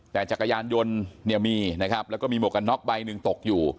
แต่จักรยานยนต์เนี่ยมีนะครับแล้วก็มีหมวกกันน็อกใบหนึ่งตกอยู่